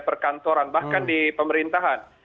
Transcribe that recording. perkantoran bahkan di pemerintahan